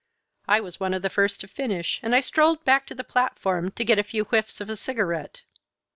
I was one of the first to finish, and I strolled back to the platform to get a few whiffs of a cigarette.